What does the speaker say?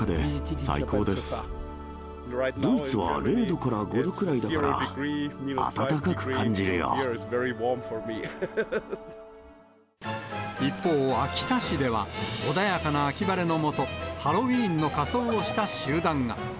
ドイツは０度から５度くらい一方、秋田市では、穏やかな秋晴れの下、ハロウィーンの仮装をした集団が。